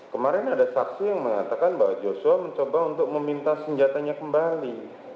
kemarin ada saksi yang mengatakan bahwa joshua mencoba untuk meminta senjatanya kembali